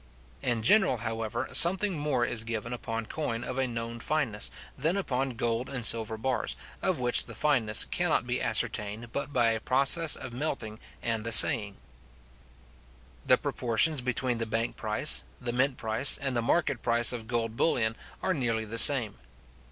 In general, however, something more is given upon coin of a known fineness, than upon gold and silver bars, of which the fineness cannot be ascertained but by a process of melting and assaying. The proportions between the bank price, the mint price, and the market price of gold bullion, are nearly the same.